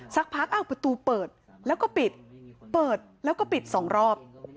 สักพักอ้าวประตูเปิดแล้วก็ปิดเปิดแล้วก็ปิดสองรอบ